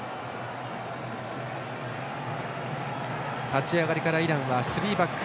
立ち上がりからイランはスリーバック。